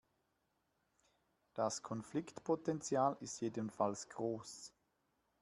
Das Konfliktpotenzial ist jedenfalls groß.